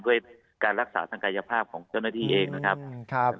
ด้วยการรักษาทางกายภาพของเจ้าหน้าที่เองนะครับ